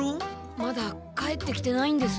まだ帰ってきてないんです。